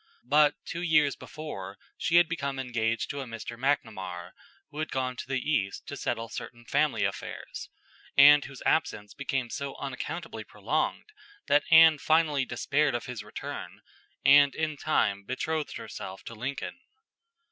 But two years before she had become engaged to a Mr. McNamar, who had gone to the East to settle certain family affairs, and whose absence became so unaccountably prolonged that Anne finally despaired of his return, and in time betrothed herself to Lincoln.